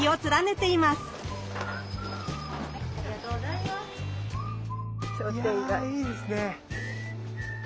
いやいいですね。